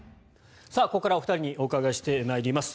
ここからお二人にお伺いしてまいります。